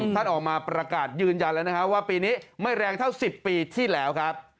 ท่านออกมาประกาศยืนยันแล้วนะครับว่าปีนี้ไม่แรงเท่า๑๐ปีที่แล้วครับ